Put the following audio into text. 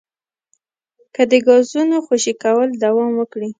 که د ګازونو خوشې کول دوام وکړي